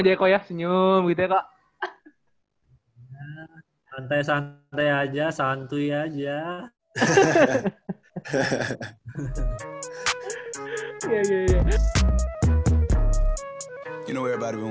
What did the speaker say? ya emang begini aja sih dari dulu